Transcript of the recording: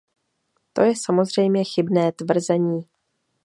To je samozřejmě chybné tvrzení.